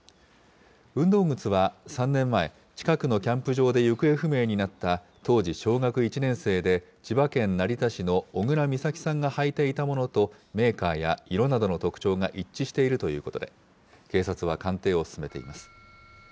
運動靴は３年前、近くのキャンプ場で行方不明になった、当時小学１年生で、千葉県成田市の小倉美咲さんが履いていたものとメーカーや色などの特徴が一致しているということで、警察は鑑定を進めています。